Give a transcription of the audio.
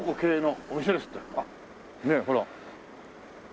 ねえほら。